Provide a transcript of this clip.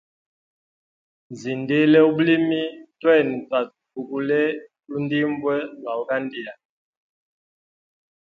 Nzindile ubulimi, twene twabugule lundimbwe lwa ugandia.